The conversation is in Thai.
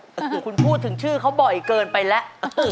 พี่คุณพูดถึงชื่อเค้าบ่อยเกินไปและ